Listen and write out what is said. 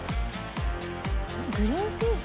グリーンピース？